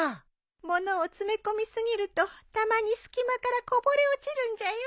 物を詰め込み過ぎるとたまに隙間からこぼれ落ちるんじゃよ。